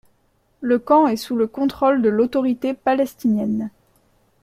Le camp est sous le contrôle de l'Autorité palestinienne.